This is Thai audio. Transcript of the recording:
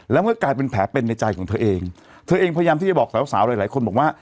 แล้วมันก็กลายเป็นแผลเป็นในใจของเธอเองเธอเองพยายามที่จะบอกสาวสาวหลายหลายคนบอกว่า